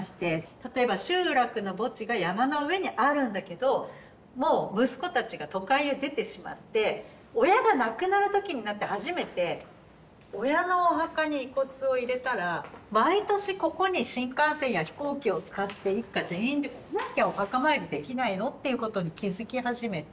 例えば集落の墓地が山の上にあるんだけどもう息子たちが都会へ出てしまって親が亡くなる時になって初めて親のお墓に遺骨を入れたら毎年ここに新幹線や飛行機を使って一家全員で来なきゃお墓参りできないの？っていうことに気付き始めて。